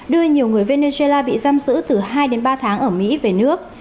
đưa nhiều người venezuela bị giam giữ từ hai đến ba tháng ở mỹ về nước